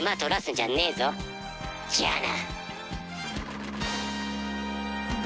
じゃあな！